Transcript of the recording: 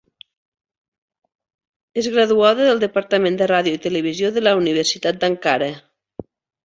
És graduada del Departament de Ràdio i Televisió de la Universitat d'Ankara.